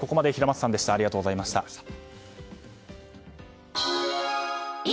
ここまで平松さんでしたありがとうございました。